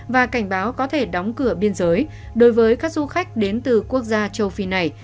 và cảnh báo có thể đóng cửa biên giới đối với các du khách đến từ quốc gia châu phi này